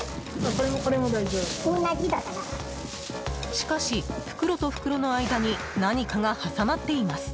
しかし、袋と袋の間に何かが挟まっています。